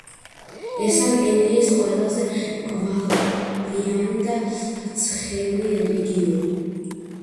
ესაა კენიის ყველაზე გვალვიანი და ცხელი რეგიონი.